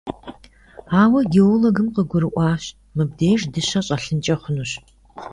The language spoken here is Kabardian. Ауэ геологым къыгурыӀуащ: мыбдеж дыщэ щӀэлъынкӀэ хъунущ.